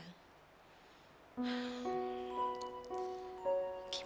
nah kakak dukung ini